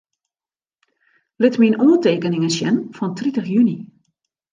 Lit myn oantekeningen sjen fan tritich juny.